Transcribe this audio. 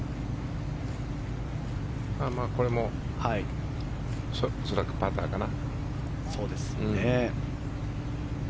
これも恐らくパターかな。